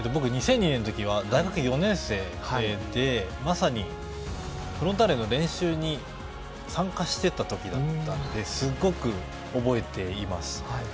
僕、２００２年の時は大学４年生でまさにフロンターレの練習に参加してた時だったのですごく覚えています。